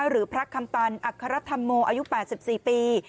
หรือพระคำตันอัครธรรมโมอายุ๘๔ปี